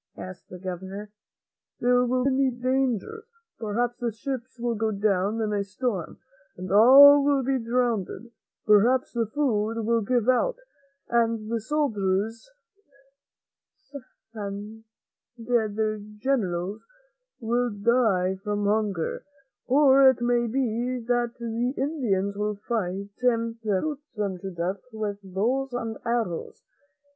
asked the Governor. "There will be many dangers. Perhaps the ships will go down in a storm and all will be drowned; perhaps the food will give out and the soldiers and their Generals will die from hunger, or it may be that the Indians will fight them and shoot them to death with bows and arrows.